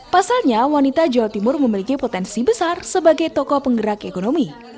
pasalnya wanita jawa timur memiliki potensi besar sebagai tokoh penggerak ekonomi